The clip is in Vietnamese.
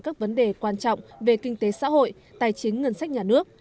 các vấn đề quan trọng về kinh tế xã hội tài chính ngân sách nhà nước